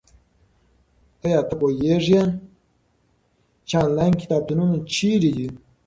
ایا ته پوهېږې چې انلاین کتابتونونه چیرته دي؟